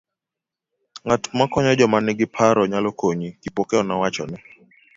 Ng'at makonyo joma ni gi paro nyalo konyi, Kipokeo nowachone, .